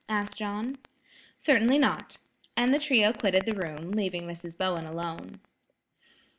asked John. "Certainly not." And the trio quitted the room leaving Mrs. Bowen alone.